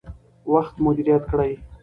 وخت مدیریت کړئ.